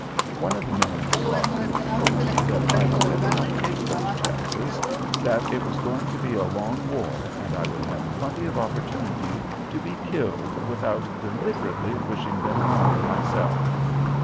One of the men in the squadron told me that I had better not take those chances; that it was going to be a long war and I would have plenty of opportunities to be killed without deliberately "wishing them on" myself.